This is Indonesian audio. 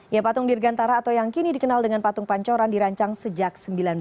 ya patung dirgantara atau yang kini dikenal dengan patung pancoran dirancang sejak seribu sembilan ratus sembilan puluh